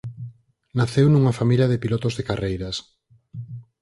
Naceu nunha familia de pilotos de carreiras.